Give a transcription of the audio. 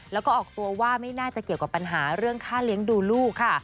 แล้วก็ออกตัวว่าไม่น่าจะเกี่ยวกับปัญหาเรื่องค่าเลี้ยงดูลูกค่ะ